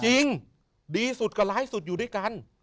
จริงดีสุดกับไลฟ์สุดอยู่ด้วยกัน